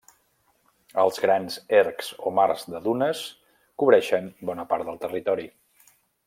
Els grans ergs o mars de dunes cobreixen bona part del territori.